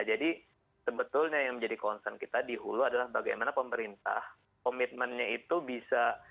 jadi sebetulnya yang menjadi concern kita dihulurkan adalah bagaimana pemerintah komitmennya itu bisa